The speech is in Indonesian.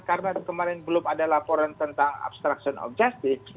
karena kemarin belum ada laporan tentang obstruction of justice